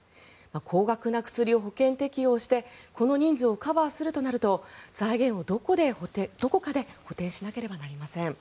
高額な薬を保険適用してこの人数をカバーするとなると財源をどこかで補てんしなければなりません。